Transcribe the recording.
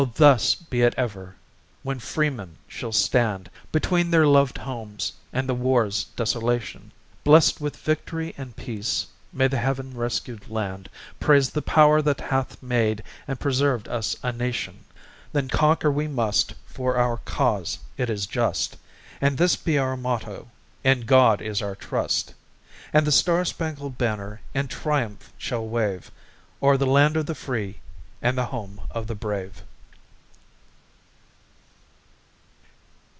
thus be it ever, when freemen shall stand Between their loved homes and the war's desolation Blest with victory and peace, may the heav'n rescued land, Praise the power that hath made and preserved us a nation. Then conquer we must, for our cause it is just. And this be our motto "In God is our trust"; And the star spangled banner in triumph shall wave O'er the land of the free, and the home of the brave.